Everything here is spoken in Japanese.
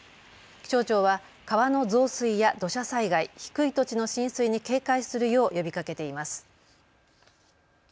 気象庁は川の増水や土砂災害、低い土地の浸水に警戒するよう呼びかけています。